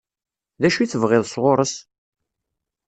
D acu i tebɣiḍ sɣur-s?